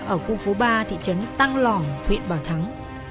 ở khu phố ba thị trấn tăng lỏng huyện bảo thắng